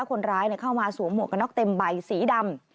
คนร้ายเข้ามาสวมหมวกกระน็อกเต็มใบสีดำ